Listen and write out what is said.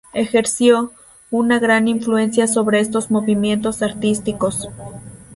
Ejerció, una gran influencia sobre otros movimientos artísticos.